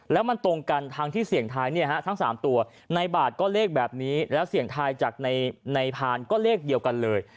แล้วมันตรงกันทางที่เสี่ยงท้ายเนี่ยฮะทั้ง๓ตัวในบาทก็เลขแบบนี้แล้วเสี่ยงทายจากในพานก็เลขเดียวกันเลย